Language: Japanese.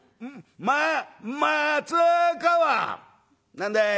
「何だい」？